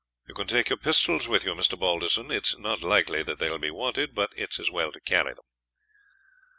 "You can take your pistols with you, Mr. Balderson; it is not likely that they will be wanted, but it is as well to carry them."